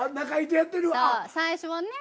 最初はね